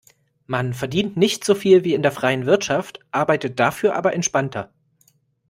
Man verdient nicht so viel wie in der freien Wirtschaft, arbeitet dafür aber entspannter.